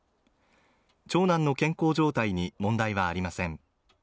長男の健康状態に問題はありません